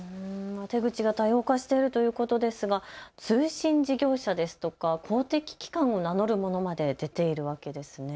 手口が多様化しているということですが通信事業者ですとか公的機関を名乗るものまで出ているわけですね。